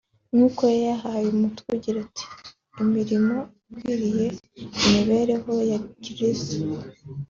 nk’uko yayahaye umutwe ugira uti “imirimo ikwiriye imibereho ya Gikiristo”